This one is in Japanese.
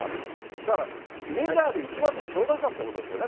だからメジャーで一番の強打者ってことですよね。